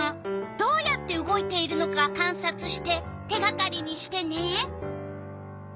どうやって動いているのかかんさつして手がかりにしてね！